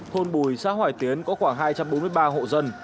thôn bùi xã hoài tiến có khoảng hai trăm bốn mươi ba hộ dân